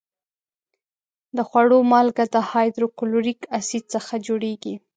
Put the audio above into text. د خوړو مالګه د هایدروکلوریک اسید څخه جوړیږي.